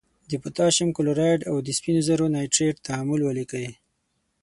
د پوتاشیم کلورایډ او د سپینو زور نایتریت تعامل ولیکئ.